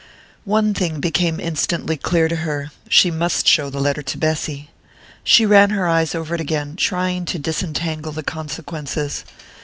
One thing became instantly clear to her: she must show the letter to Bessy. She ran her eyes over it again, trying to disentangle the consequences.